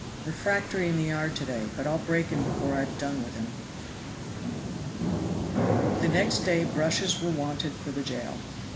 "Refractory in the yard to day; but I'll break him before I've done with him" (oath). The next day brushes were wanted for the jail.